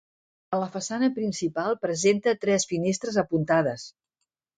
A la façana principal presenta tres finestres apuntades.